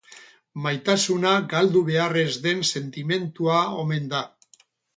Maitasuna galdu behar ez den sentimendua omen da.